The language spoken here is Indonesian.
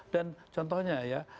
dan contohnya ya